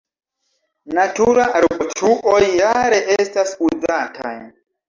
Natura arbotruoj rare estas uzataj.